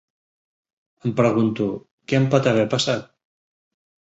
Em pregunto què em pot haver passat?